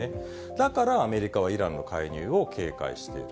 だから、アメリカはイランの介入を警戒している。